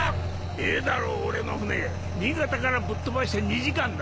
いいだろ俺の船新潟からぶっ飛ばして２時間だ。